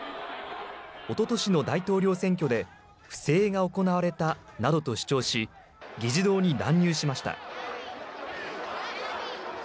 おととしの大統領選挙で不正が行われたなどと主張し議事堂に乱入しました。